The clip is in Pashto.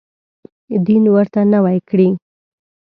دین ورته نوی کړي.